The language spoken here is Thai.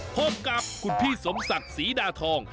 พบกับคุณพี่สมศักดิ์ศรีดาทอง